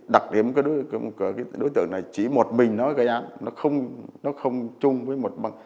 đặc điểm của đối tượng này là chỉ một mình nó gây án nó không chung với một băng